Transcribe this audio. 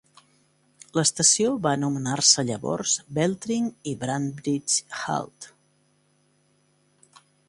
L'estació va anomenar-se llavors Beltring i Branbridges Halt.